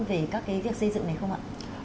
về các việc xây dựng này không ạ